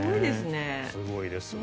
すごいですわ。